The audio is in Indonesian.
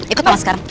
ikut mama sekarang